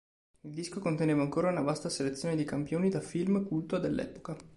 Il disco conteneva ancora una vasta selezione di campioni da film culto dell'epoca.